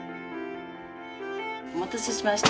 お待たせしました。